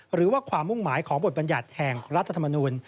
หรือว่าความมุ่งหมายของบทบรรยัติแห่งรัฐธรรมนูล